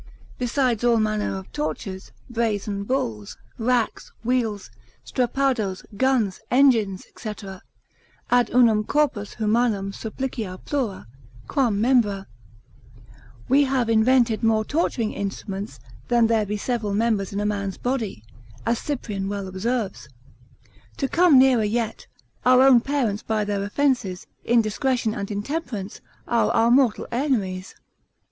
Besides all manner of tortures, brazen bulls, racks, wheels, strappadoes, guns, engines, &c. Ad unum corpus humanum supplicia plura, quam membra: We have invented more torturing instruments, than there be several members in a man's body, as Cyprian well observes. To come nearer yet, our own parents by their offences, indiscretion and intemperance, are our mortal enemies.